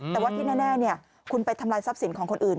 แต่ว่าที่แน่คุณไปทำลายทรัพย์สินของคนอื่น